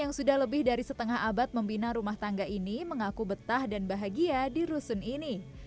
yang sudah lebih dari setengah abad membina rumah tangga ini mengaku betah dan bahagia di rusun ini